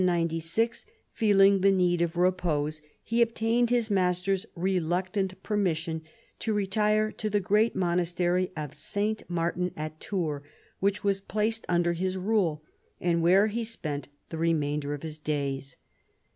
In 796, feeling the need of repose, he obtained his master's reluctant permission to retire to the great monastery of 8t. Martin at Tours, which was placed under his rule, and where he spent the remainder of his days.